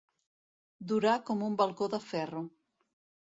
Durar com un balcó de ferro.